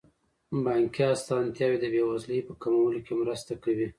بانکي اسانتیاوې د بې وزلۍ په کمولو کې مرسته کوي.